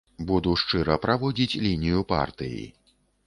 Буду шчыра праводзіць лінію партыі.